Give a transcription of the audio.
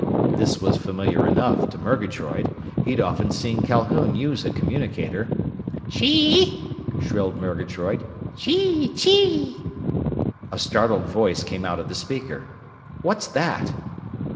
This was familiar enough, to Murgatroyd. He'd often seen Calhoun use a communicator. "Chee!" shrilled Murgatroyd. "Chee chee!" A startled voice came out of the speaker: "What's that?"